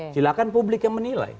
silahkan publik yang menilai